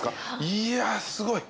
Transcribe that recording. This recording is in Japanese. いやぁすごい。